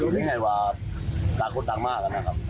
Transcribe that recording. ได้ไหว่าต่างคนต่างมาก